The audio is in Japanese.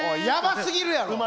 やばすぎるやろ！